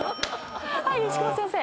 はい牛窪先生。